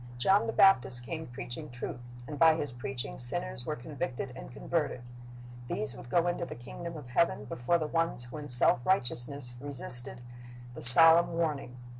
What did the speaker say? John the Baptist came preaching truth, and by his preaching sinners were con victed and converted. These would go into the kingdom of heaven before the ones who in self righteousness re sisted the solemn warning.